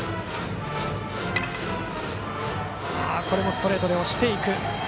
ストレートで押していく。